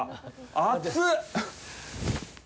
熱っ！